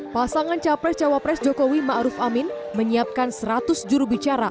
pasangan capres cawapres jokowi ma'ruf amin menyiapkan seratus jurubicara